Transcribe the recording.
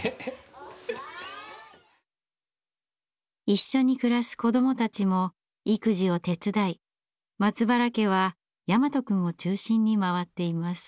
一緒に暮らす子どもたちも育児を手伝い松原家は大和くんを中心に回っています。